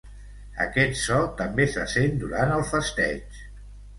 Aquest so també se sent durant el festeig.